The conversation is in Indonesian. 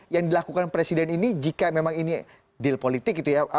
yang dilakukan presiden ini jika memang ini deal politik gitu ya